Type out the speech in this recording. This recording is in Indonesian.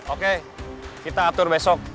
oke kita atur besok